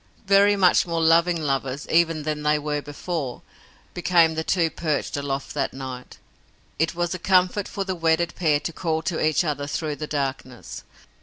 Very much more loving lovers, even, than they were before, became the two perched aloft that night. It was a comfort for the wedded pair to call to each other through the darkness.